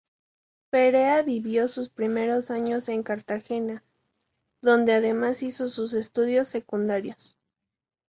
Perea vivió sus primeros años en Cartagena, donde además hizo sus estudios secundarios.